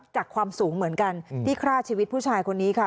ความสูงเหมือนกันที่ฆ่าชีวิตผู้ชายคนนี้ค่ะ